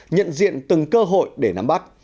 nhận diện từng cơ hội để nắm bắt